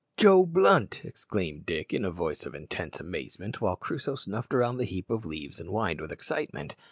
"Joe Blunt!" exclaimed Dick in a voice of intense amazement, while Crusoe snuffed round the heap of leaves and whined with excitement.